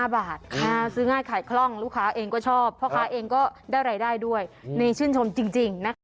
ซื้อง่ายขายคล่องลูกค้าเองก็ชอบพ่อค้าเองก็ได้รายได้ด้วยนี่ชื่นชมจริงนะคะ